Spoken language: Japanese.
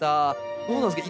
どうなんですか？